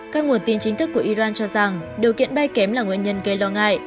các nguồn tin chính thức của iran cho rằng điều kiện bay kém là nguyên nhân gây lo ngại